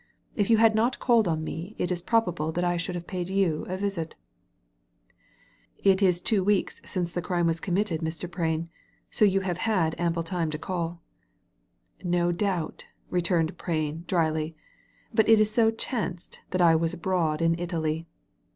If you had not called on me^ it is probable that I should have paid you a visif* It is two weeks since the crime was committed, Mr. Prain ; so you have had ample time to calL" «No doubt," returned Prain, dryly, "but it so chanced that I was abroad in Italy.